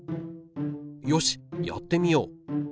よしやってみよう。